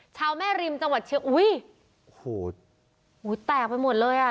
ชาวแม่ริมจังหวัดเชียงอุ้ยโอ้โหอุ้ยแตกไปหมดเลยอ่ะ